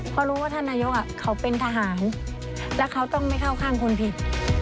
เพราะรู้ว่าท่านนายกเขาเป็นทหารแล้วเขาต้องไม่เข้าข้างคนผิด